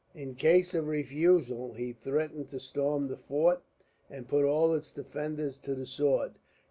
In case of refusal, he threatened to storm the fort, and put all its defenders to the sword.